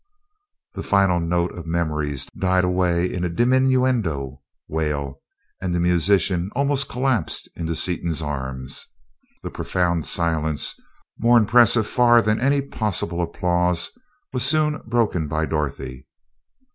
The final note of "Memories" died away in a diminuendo wail, and the musician almost collapsed into Seaton's arms. The profound silence, more impressive far than any possible applause, was soon broken by Dorothy.